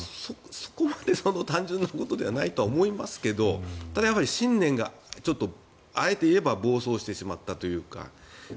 そこまで単純なことではないと思いますけどただ、信念がちょっとあえて言えば暴走してしまったというか。